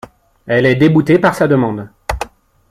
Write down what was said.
Elle est déboutée de sa demande.